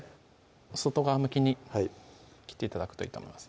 外側向きに切って頂くといいと思います